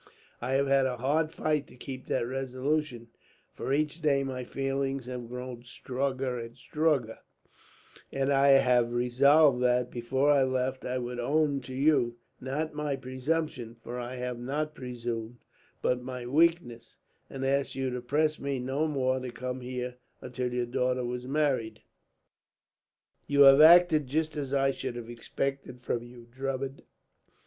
I have had a hard fight to keep that resolution, for each day my feelings have grown stronger and stronger; and I had resolved that, before I left, I would own to you, not my presumption, for I have not presumed, but my weakness, and ask you to press me no more to come here, until your daughter was married." "You have acted just as I should have expected from you, Drummond.